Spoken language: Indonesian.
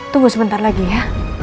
tunggu sebentar lagi ya